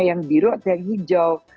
yang biru atau yang hijau